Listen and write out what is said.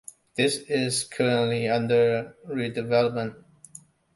This is currently under redevelopment.